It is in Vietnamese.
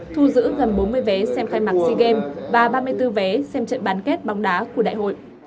thu giữ gần bốn mươi vé xem khai mạc sea games và ba mươi bốn vé xem trận bán kết bóng đá của đại hội